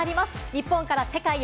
日本から世界へ！